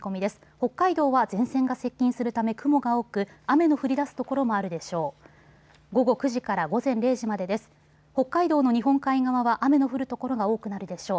北海道は前線が接近するため雲が多く、雨の降りだす所もあるでしょう。